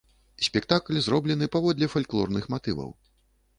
Спектакль зроблены паводле фальклорных матываў.